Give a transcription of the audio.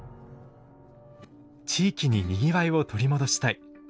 地域ににぎわいを取り戻したい。